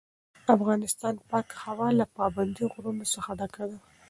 د افغانستان پاکه هوا له پابندي غرونو څخه ډکه ده.